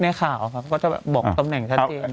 แน่ข่าวอะค่ะก็จะแบบบอกตำแหน่งท่านเอง